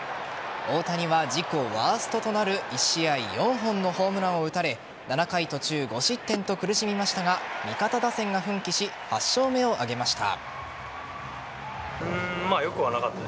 大谷は自己ワーストとなる１試合４本のホームランを打たれ７回途中５失点と苦しみましたが味方打線が奮起し８勝目を挙げました。